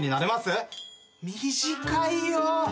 短いよ！